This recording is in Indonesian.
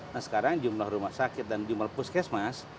nah sekarang jumlah rumah sakit dan jumlah puskesmas